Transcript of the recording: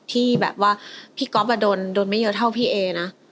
ที่แบบว่าพี่ก๊อฟโดนไม่เยอะเท่าพี่เอนะ